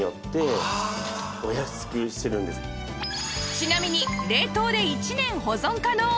ちなみに冷凍で１年保存可能！